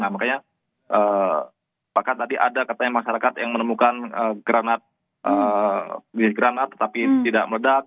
nah makanya pakat tadi ada katanya masyarakat yang menemukan granat jenis granat tetapi tidak meledak